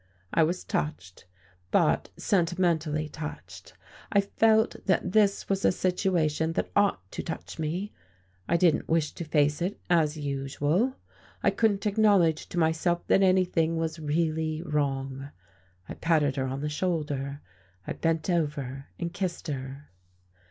I was touched but sentimentally touched: I felt that this was a situation that ought to touch me; I didn't wish to face it, as usual: I couldn't acknowledge to myself that anything was really wrong... I patted her on the shoulder, I bent over and kissed her.